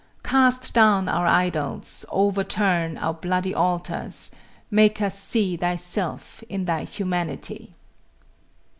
Cast down our idols overturn Our Bloody altars make us see Thyself in Thy humanity!